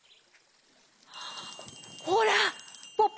ほらポポ